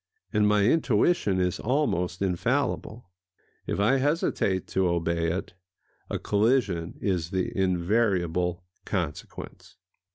And my intuition is almost infallible. If I hesitate to obey it, a collision is the invariable consequence.